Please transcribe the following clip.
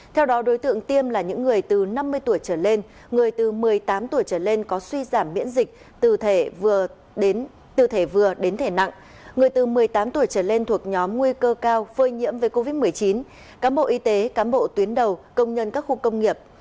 theo đó đối tượng tiêm là những người từ năm mươi tuổi trở lên người từ một mươi tám tuổi trở lên có suy giảm miễn dịch từ thể vừa đến thể nặng người từ một mươi tám tuổi trở lên thuộc nhóm nguy cơ cao phơi nhiễm với covid một mươi chín cán bộ y tế cán bộ tuyến đầu công nhân các khu công nghiệp